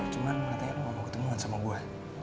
cuman katanya lu gak mau ketemuan sama gua